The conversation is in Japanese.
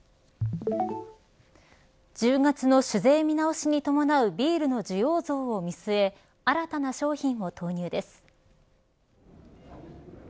１０月の酒税見直しに伴うビールの需要増を見据え新たな商品を投入です。